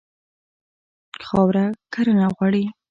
خاوره کرنه غواړي.